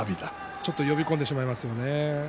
ちょっと呼び込んでしまいますよね。